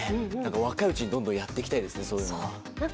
若いうちにどんどんやっていきたいですね、そういうのは。